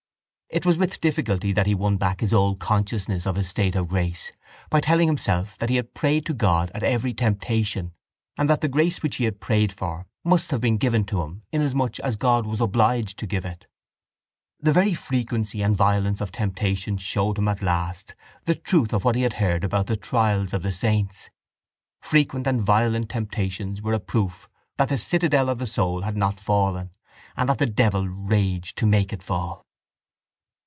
It was with difficulty that he won back his old consciousness of his state of grace by telling himself that he had prayed to God at every temptation and that the grace which he had prayed for must have been given to him inasmuch as God was obliged to give it. The very frequency and violence of temptations showed him at last the truth of what he had heard about the trials of the saints. Frequent and violent temptations were a proof that the citadel of the soul had not fallen and that the devil raged to make it fall.